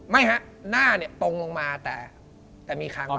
ไม่ฮะหน้าเนี่ยตรงลงมาแต่มีคางลงออก